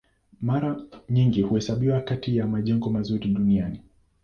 Mara nyingi huhesabiwa kati ya majengo mazuri duniani.